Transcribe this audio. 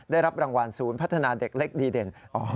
ได้รับรางวัลศูนย์พัฒนาเด็กเล็กดีเด่น